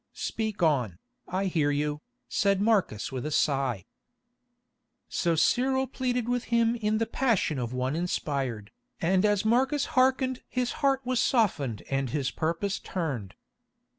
"Speak on, I hear you," said Marcus with a sigh. So Cyril pleaded with him in the passion of one inspired, and as Marcus hearkened his heart was softened and his purpose turned.